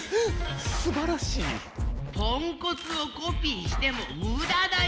ポンコツをコピーしてもムダだよ！